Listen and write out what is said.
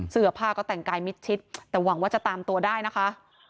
เสื้อผ้าก็แต่งกายมิดชิดแต่หวังว่าจะตามตัวได้นะคะ